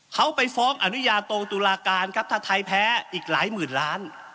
เขาไปฟ้องอนุญาโตตุลาการครับถ้าไทยแพ้อีกหลายหมื่นล้าน